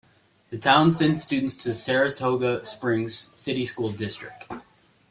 The town sends students to Saratoga Springs City School District.